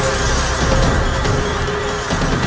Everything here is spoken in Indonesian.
aku akan terus memburumu